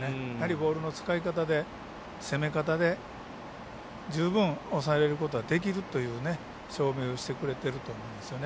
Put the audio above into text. ボールの使い方で、攻め方で十分、抑えることができるという証明をしてくれてると思いますね。